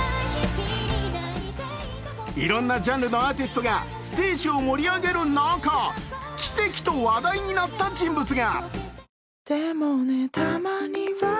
いろんなジャンルのアーティストがステージを盛り上げる中、奇跡と話題になった人物が。